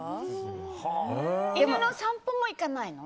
犬の散歩も行かないの？